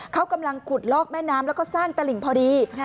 เขากำลังขุดลอกแม่น้ำแล้วก็สร้างตลิ่งพอดี